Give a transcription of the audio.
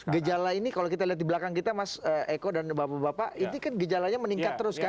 gejala ini kalau kita lihat di belakang kita mas eko dan bapak bapak ini kan gejalanya meningkat terus kan